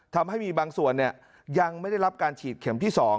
ทำให้มีบางส่วนยังไม่ได้รับการฉีดเข็มที่๒